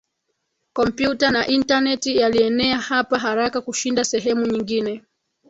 kompyuta na intaneti yalienea hapa haraka kushinda sehemu nyingine